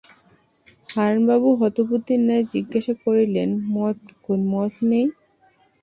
হারানবাবু হতবুদ্ধির ন্যায় জিজ্ঞাসা করিলেন, মত নেই?